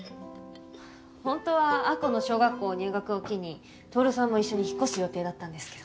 ホントは亜子の小学校入学を機にトオルさんも一緒に引っ越す予定だったんですけど。